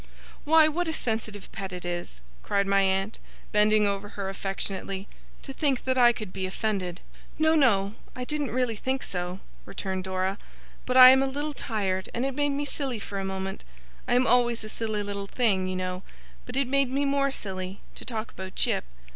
'Why, what a sensitive pet it is!' cried my aunt, bending over her affectionately. 'To think that I could be offended!' 'No, no, I didn't really think so,' returned Dora; 'but I am a little tired, and it made me silly for a moment I am always a silly little thing, you know, but it made me more silly to talk about Jip.